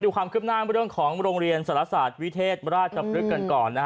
ดูความเมื่อเริ่มของโรงเรียนสรศาสตร์วิเทศบรรรดาจับลึกกันก่อน